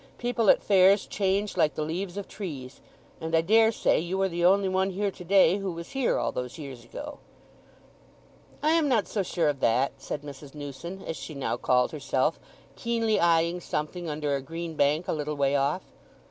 "People at fairs change like the leaves of trees; and I daresay you are the only one here to day who was here all those years ago." "I am not so sure of that," said Mrs. Newson, as she now called herself, keenly eyeing something under a green bank a little way off.